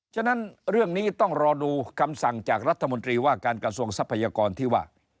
ฉะนั้นเรื่องนี้ต้องรอดูคำสั่งจากรัฐมนตรีว่าการกระทรวงทรัพยากรที่ว่า